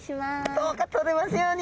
どうかとれますように。